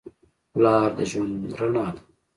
پلار د ژوند رڼا ده.